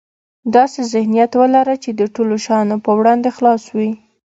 داسې ذهنيت ولره چې د ټولو شیانو په وړاندې خلاص وي.